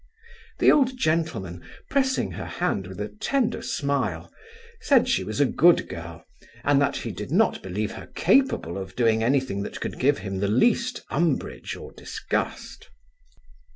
The old gentleman, pressing her hand with a tender smile, said she was a good girl, and that he did not believe her capable of doing any thing that could give him the least umbrage or disgust.